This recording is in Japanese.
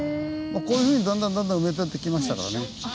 こういうふうにだんだんだんだん埋め立ててきましたからね。